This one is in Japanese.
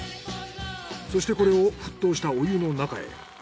そしてこれを沸騰したお湯の中へ。